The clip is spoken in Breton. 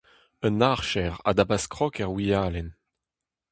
Un archer a dapas krog er wialenn.